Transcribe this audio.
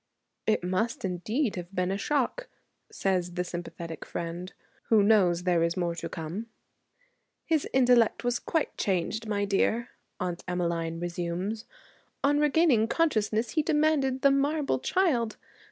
'It must indeed have been a shock,' says the sympathetic friend, who knows there is more to come. 'His intellect was quite changed, my dear,' Aunt Emmeline resumes; 'on regaining consciousness he demanded the marble child!